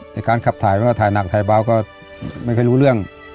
ในการขับถ่ายมันก็ถ่ายหนักถ่ายเบาก็ไม่ค่อยรู้เรื่อง